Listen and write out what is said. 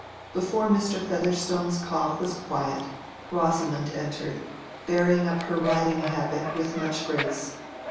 Before Mr. Featherstone's cough was quiet, Rosamond entered, bearing up her riding habit with much grace.